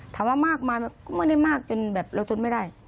ถามว่ามากมายก็ไม่ได้มากจนแบบเราทนไม่ได้